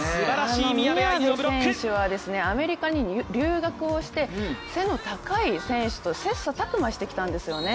宮部選手はアメリカに留学をして背の高い選手と切磋琢磨してきたんですよね。